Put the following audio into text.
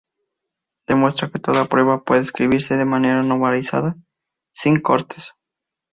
Demuestra que toda prueba puede escribirse de manera normalizada "sin cortes".